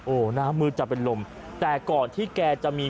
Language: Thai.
โอ้โหน้ำมือจะเป็นลมแต่ก่อนที่แกจะมี